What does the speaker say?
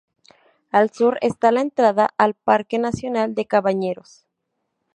Al sur está la entrada al Parque nacional de Cabañeros.